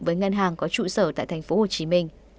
với ngân hàng có trụ sở tại tp hcm